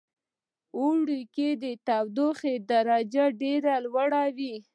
اوړی کې د تودوخې درجه ډیره لوړه وی